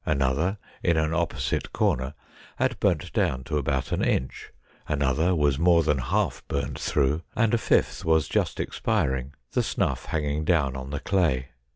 Another in an opposite corner had burnt down to about an inch, another was more than half burnt through, and a fifth was just expiring, the snuff hanging down on the clay.